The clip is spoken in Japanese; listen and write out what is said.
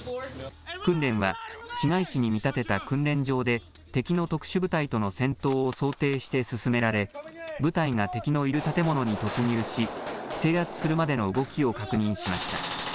訓練は市街地に見立てた訓練場で敵の特殊部隊との戦闘を想定して進められ部隊が敵のいる建物に突入し制圧するまでの動きを確認しました。